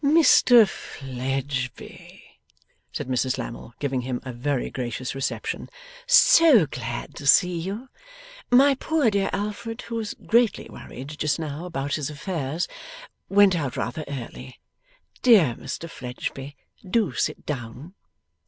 'Mr Fledgeby,' said Mrs Lammle, giving him a very gracious reception, 'so glad to see you! My poor dear Alfred, who is greatly worried just now about his affairs, went out rather early. Dear Mr Fledgeby, do sit down.